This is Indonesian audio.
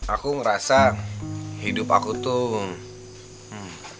aku ngerasa hidup aku tuh